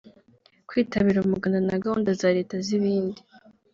kwitabira umuganda na gahunda za Leta z’ibindi